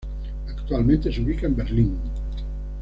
Actualmente se ubica en Berlín.